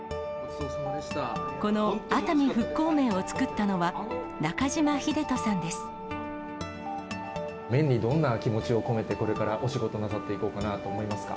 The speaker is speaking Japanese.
この熱海復興麺を作ったのは、麺にどんな気持ちを込めて、これからお仕事なさっていこうかなと思いますか？